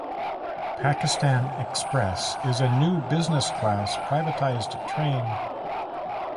Pakistan Express is a new business class privatized train.